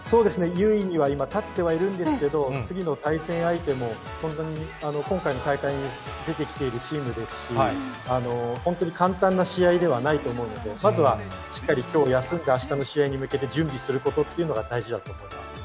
優位には今、立ってはいるんですけれども、次の対戦相手も、そんなに、今回の大会に出てきているチームですし、本当に簡単な試合ではないと思うので、まずはしっかりきょう休んで、あしたの試合に向けて準備するっていうことが大事だと思います。